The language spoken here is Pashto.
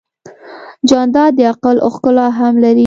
جانداد د عقل ښکلا هم لري.